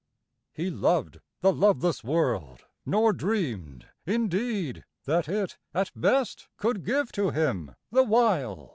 He loved the loveless world, nor dreamed, in deed. That it, at best, could give to him, the while.